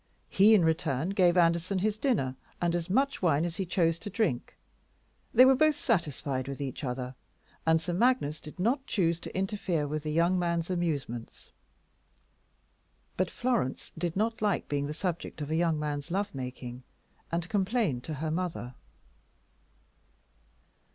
He, in return, gave Anderson his dinner and as much wine as he chose to drink. They were both satisfied with each other, and Sir Magnus did not choose to interfere with the young man's amusements. But Florence did not like being the subject of a young man's love making, and complained to her mother.